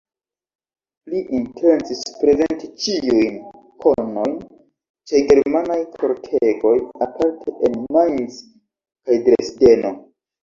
Li intencis prezenti ĉiujn konojn ĉe germanaj kortegoj, aparte en Mainz kaj Dresdeno.